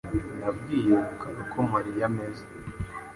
Nabwiye Rukara uko Mariya ameze.